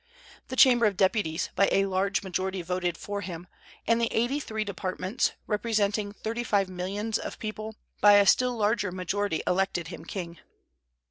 The Chamber of Deputies by a large majority voted for him, and the eighty three Departments, representing thirty five millions of people, by a still larger majority elected him king.